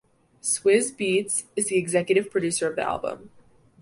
Swizz Beatz is the executive producer of the album.